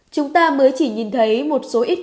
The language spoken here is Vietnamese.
chúng ta mới chỉ nhìn thấy một số ít